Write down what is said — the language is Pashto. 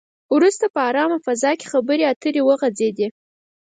وروسته په ارامه فضا کې خبرې اترې وغځېدې.